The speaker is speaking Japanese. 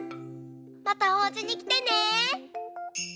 またおうちにきてね。